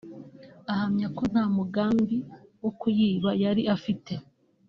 ahamya ko nta mugambi wo kuyiba yari afite